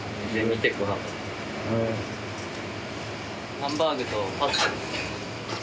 ハンバーグとパスタです。